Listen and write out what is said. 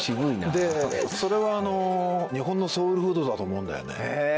でそれは日本のソウルフードだと思うんだよね。